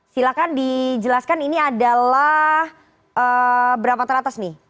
silahkan dijelaskan ini adalah berapa teratas nih